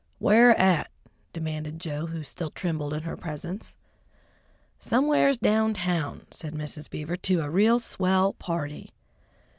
"Where at?" demanded Joe, who still trembled in her presence. "Somewheres down town," said Mrs. Beaver, "to a real swell party."